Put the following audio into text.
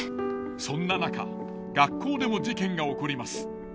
そんな中学校でも事件が起こります。